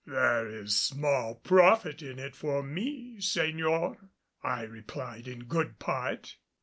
"There is small profit in it for me, Señor," I replied in good part.